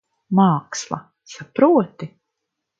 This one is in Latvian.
Māksla. Saproti?